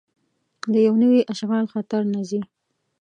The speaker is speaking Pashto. د یو نوي اشغال خطر نه ځي.